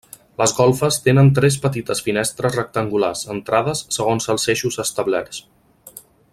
Les golfes tenen tres petites finestres rectangulars centrades segons els eixos establerts.